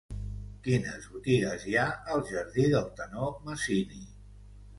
Quines botigues hi ha al jardí del Tenor Masini?